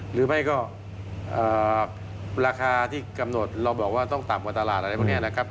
หรือไม่ก็ราคาที่กำหนดเราบอกว่าต้องต่ำกว่าตลาดอะไรพวกนี้นะครับ